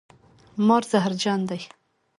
مار زهرجن دی